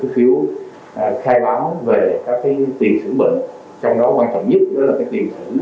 đó là quan trọng nhất đó là tiêm chủng về dự kiến